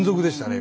今。